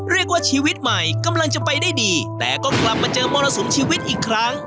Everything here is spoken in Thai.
ชีวิตใหม่กำลังจะไปได้ดีแต่ก็กลับมาเจอมรสุมชีวิตอีกครั้ง